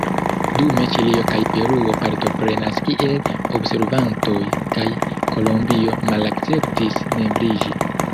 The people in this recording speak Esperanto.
Dume Ĉilio kaj Peruo partoprenas kiel observantoj kaj Kolombio malakceptis membriĝi.